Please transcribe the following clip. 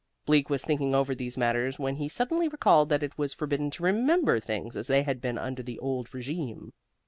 Bleak was thinking over these matters when he suddenly recalled that it was forbidden to remember things as they had been under the old regime.